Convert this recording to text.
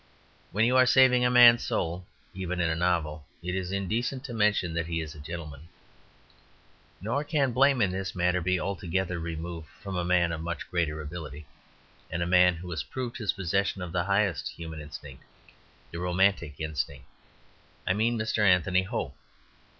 When you are saving a man's soul, even in a novel, it is indecent to mention that he is a gentleman. Nor can blame in this matter be altogether removed from a man of much greater ability, and a man who has proved his possession of the highest of human instinct, the romantic instinct I mean Mr. Anthony Hope.